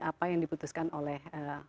apa yang diputuskan oleh